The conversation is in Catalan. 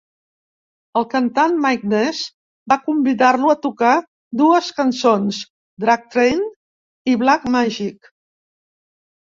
El cantant Mike Ness va convidar-lo a tocar dues cançons, "Drug Train" i "Black Magic".